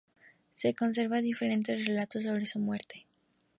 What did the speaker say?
Se conservan diferentes relatos sobre su muerte.